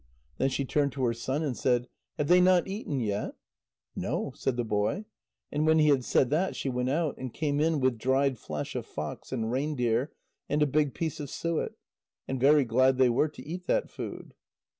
Then she turned to her son, and said: "Have they not eaten yet?" "No," said the boy. And when he had said that, she went out, and came in with dried flesh of fox and reindeer, and a big piece of suet. And very glad they were to eat that food.